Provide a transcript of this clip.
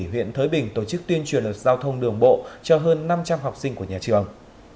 huyện thới bình tổ chức tuyên truyền luật giao thông đường bộ cho hơn năm trăm linh học sinh của nhà trường